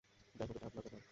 যাইহোক, এটা আপনার কপাল।